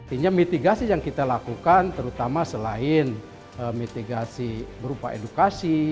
artinya mitigasi yang kita lakukan terutama selain mitigasi berupa edukasi